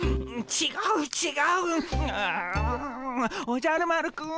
おじゃる丸くん。